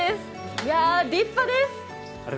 いや、立派です。